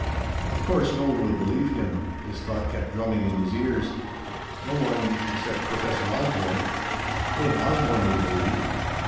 Of course, no one would believe him. This thought kept drumming in his ears. No one except Professor Osborne. Old Osborne would believe!